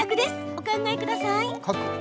お考えください！